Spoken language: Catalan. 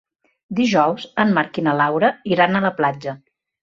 Dijous en Marc i na Laura iran a la platja.